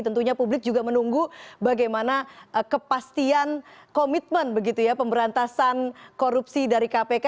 tentunya publik juga menunggu bagaimana kepastian komitmen begitu ya pemberantasan korupsi dari kpk